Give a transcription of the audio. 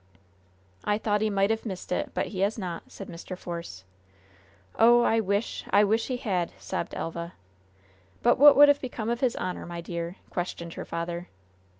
"I thought he might have missed it, but he has not," said Mr. Force. "Oh, I wish, I wish he had!" sobbed Elva. "But what would have become of his honor, my dear?" questioned her father.